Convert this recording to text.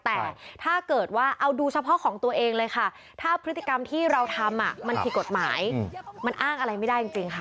แต่ถ้าเกิดว่าเอาดูเฉพาะของตัวเองเลยค่ะถ้าพฤติกรรมที่เราทำมันผิดกฎหมายมันอ้างอะไรไม่ได้จริงค่ะ